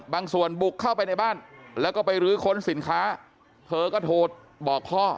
บางส่วนบุกเข้าไปในบ้านแล้วก็ไปรื้อค้นสินค้าเธอก็โทรบอกพ่อ